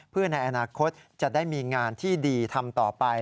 เพื่อในอนาคตจะได้มีงานที่ดีทำต่อไป